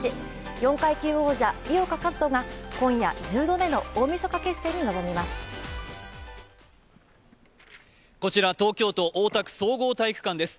４階級王者、井岡一翔が今夜、１０度目の大みそか決戦に臨みます。